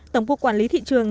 tổng cục quản lý thị trường